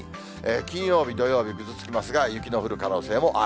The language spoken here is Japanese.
金曜日、土曜日、ぐずつきますが、雪の降る可能性もある。